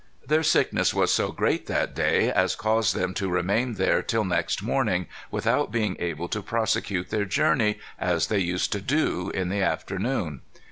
Their sickness was so great that day as caused them to remain there till the next morning, without being able to prosecute their journey, as they used to do, in the afternoon.